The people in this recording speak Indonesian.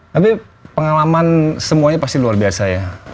tapi pengalaman semuanya pasti luar biasa ya